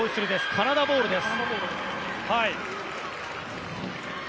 カナダボールです。